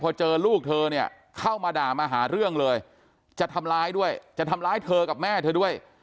พอเจอลูกเธอเนี่ยเข้ามาด่ามาหาเรื่องเลยจะทำร้ายด้วยจะทำร้ายเธอกับแม่เธอด้วย